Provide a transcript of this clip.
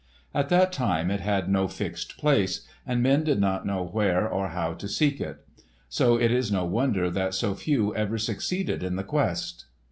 At that time it had no fixed place, and men did not know where or how to seek it. So it is no wonder that so few ever succeeded in the quest.